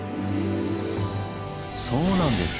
そうなんです！